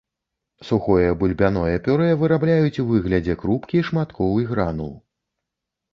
Сухое бульбяное пюрэ вырабляюць у выглядзе крупкі, шматкоў і гранул.